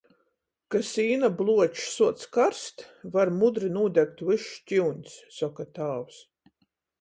"Ka sīna bluočs suoc karst, var mudri nūdegt vyss škiuņs," soka tāvs.